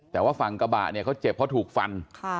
แต่ว่าฝั่งกระบะเนี่ยเขาเจ็บเพราะถูกฟัน